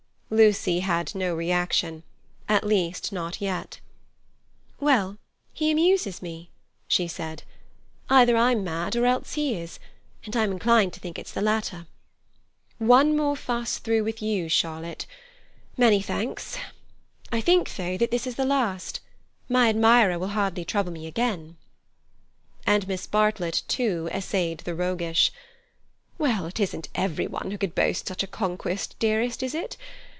Lucy had no reaction—at least, not yet. "Well, he amuses me," she said. "Either I'm mad, or else he is, and I'm inclined to think it's the latter. One more fuss through with you, Charlotte. Many thanks. I think, though, that this is the last. My admirer will hardly trouble me again." And Miss Bartlett, too, essayed the roguish: "Well, it isn't everyone who could boast such a conquest, dearest, is it?